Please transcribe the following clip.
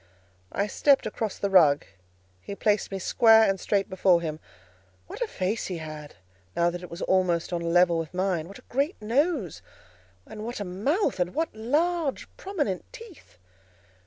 I stepped across the rug; he placed me square and straight before him. What a face he had, now that it was almost on a level with mine! what a great nose! and what a mouth! and what large prominent teeth!